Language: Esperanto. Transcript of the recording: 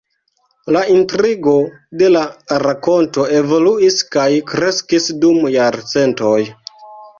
La intrigo de la rakonto evoluis kaj kreskis dum jarcentoj.